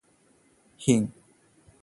Hing